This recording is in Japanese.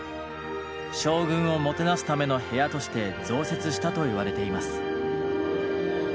将軍をもてなすための部屋として増設したといわれています。